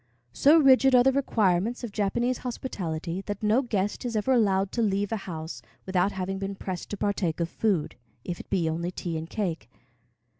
So rigid are the requirements of Japanese hospitality that no guest is ever allowed to leave a house without having been pressed to partake of food, if it be only tea and cake.